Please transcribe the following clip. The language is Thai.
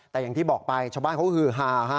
แต่อย่างที่บอกไปชาวบ้านเขาฮือฮาฮะ